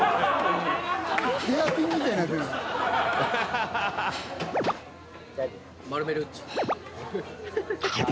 ヘアピンみたいになってるじゃない。